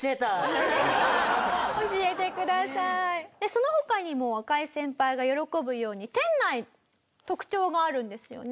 その他にも赤井先輩が喜ぶように店内特徴があるんですよね？